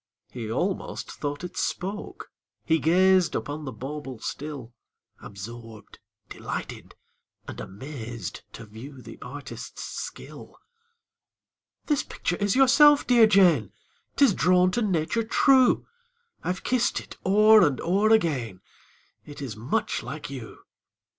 He almost thought it spoke: he gazed Upon the bauble still, Absorbed, delighted, and amazed, To view the artist's skill. "This picture is yourself, dear Jane 'Tis drawn to nature true: I've kissed it o'er and o'er again, It is much like you."